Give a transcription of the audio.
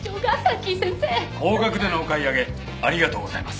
高額でのお買い上げありがとうございます。